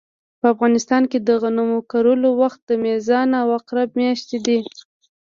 په افغانستان کې د غنمو کرلو وخت د میزان او عقرب مياشتې دي